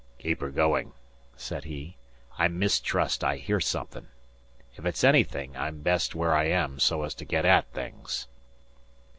"Keep her goin'," said he. "I mistrust I hear somethin'. Ef it's anything, I'm best where I am so's to get at things."